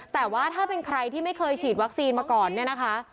แต่ว่าถ้าเป็นใครที่ไม่เคยฉีดวัคซีนมาก่อนเนี่ยนะคะ